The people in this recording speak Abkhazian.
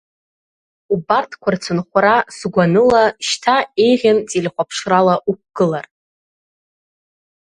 Убарҭқәа рцынхәра, сгәаныла, шьҭа еиӷьын телехәаԥшрала уқәгылар.